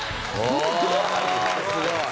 すごい。